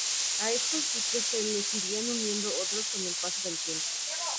A estos buques se les irían uniendo otros con el paso del tiempo.